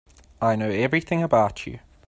I know everything about you.